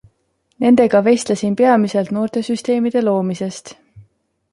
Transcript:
Nendega vestlesin peamiselt noortesüsteemide loomisest.